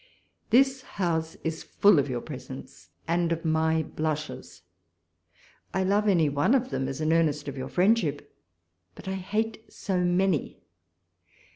This house is full of your presents and of my blushes. I love any one of them as an earnest of your friendship ; but I hate so many.